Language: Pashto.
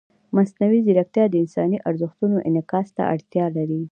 مصنوعي ځیرکتیا د انساني ارزښتونو انعکاس ته اړتیا لري.